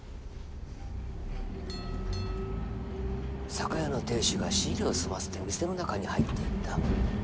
酒屋の亭主が仕入れを済ませて店の中に入っていった。